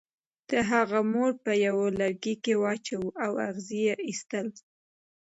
د هغه مور هغه په یوه لرګي واچاو او اغزي یې ایستل